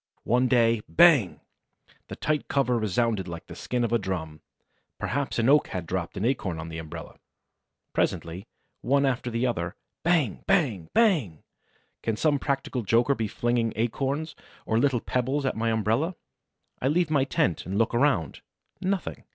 One day, bang! The tight cover resounded like the skin of a drum. Perhaps an oak had dropped an acorn on the umbrella. Presently, one after the other, bang, bang, bang! Can some practical joker be flinging acorns or little pebbles at my umbrella? I leave my tent and look around: nothing!